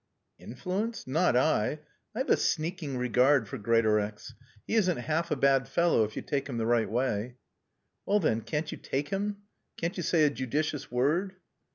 "Influence? Not I. I've a sneaking regard for Greatorex. He isn't half a bad fellow if you take him the right way." "Well, then, can't you take him? Can't you say a judicious word?"